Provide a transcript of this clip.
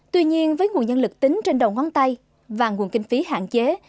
tuy nhiên với nguồn nhân lực tính trên đầu ngón tay và nguồn kinh phí hạn chế